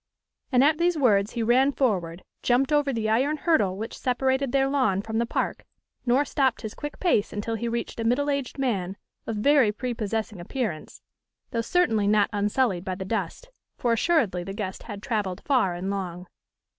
And at these words he ran forward, jumped over the iron hurdle which separated their lawn from the park, nor stopped his quick pace until he reached a middle aged man of very prepossessing appearance, though certainly not unsullied by the dust, for assuredly the guest had travelled far and long.